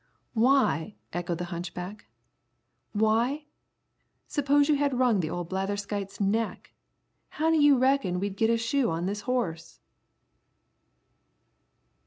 "Why?" echoed the hunchback, "why? Suppose you had wrung the old blatherskite's neck. How do you reckon we'd get a shoe on this horse?"